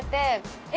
え！